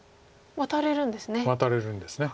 ワタれるんです。